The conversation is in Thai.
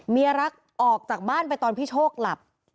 เมียรักออกจากบ้านไปตอนพี่โชคหลับ